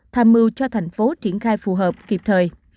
tham mưu cho thành phố triển khai phù hợp kịp thời